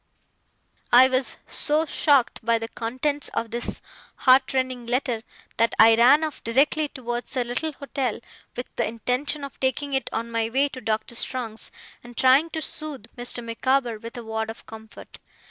I was so shocked by the contents of this heart rending letter, that I ran off directly towards the little hotel with the intention of taking it on my way to Doctor Strong's, and trying to soothe Mr. Micawber with a word of comfort.